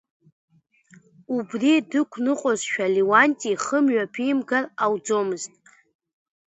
Убри дықәныҟәозшәа Леуанти ихы мҩаԥимгар ауӡомызт.